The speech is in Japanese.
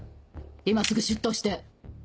今すぐ出頭して。